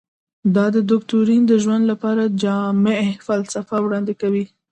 دا دوکتورین د ژوند لپاره جامعه فلسفه وړاندې کوي.